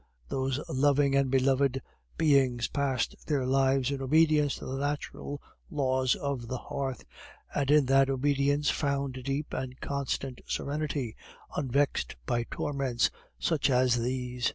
Those loving and beloved beings passed their lives in obedience to the natural laws of the hearth, and in that obedience found a deep and constant serenity, unvexed by torments such as these.